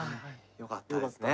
よかったですね。